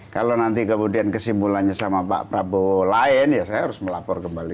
kalau nanti kemudian kesimpulannya sama pak prabowo lain ya saya harus melapor kembali